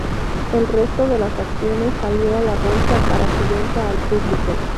El resto de las acciones salió a la bolsa para su venta al público.